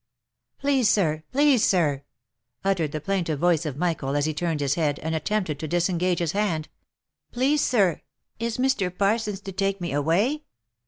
" Please sir! Please sir! —" uttered the plaintive voice of Michael, as he turned his head, and attempted to disengage his hand. " Please sir, is Mr. Parsons to take me away